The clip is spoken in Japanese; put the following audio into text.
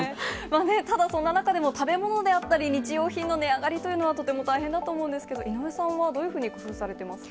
ただ、そんな中でも食べ物であったり、日用品の値上がりというのは、とても大変だと思うんですけれども、井上さんはどういうふうに工夫されてますか？